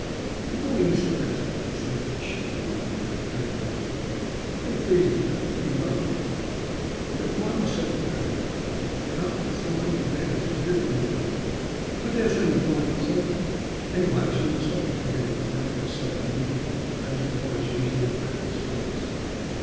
"Good morning, Mr. Wrexford," he said, as he shut the door behind him and came over to the bunk. *' How are you feeling to day ? Pretty well, I hope ?"" I feel quite myself again," I answered. I want to get up. This lying in bed is dreary work." *' I daresay you find it so. Anyway, I'll not stop you from getting up now, if you're so minded ; that is'provided you eat a good breakfast first."